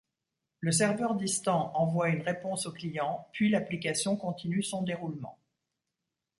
Le serveur distant envoie une réponse au client puis l'application continue son déroulement.